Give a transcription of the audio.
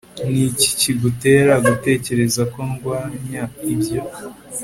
Ni iki kigutera gutekereza ko ndwanya ibyo